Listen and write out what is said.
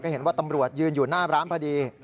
เห็นว่าตำรวจยืนอยู่หน้าร้านพอดี